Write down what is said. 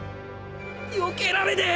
よけられねえ！